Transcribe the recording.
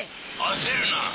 焦るな。